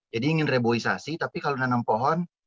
jadi ingin reboisasi tapi kalau nanam pohon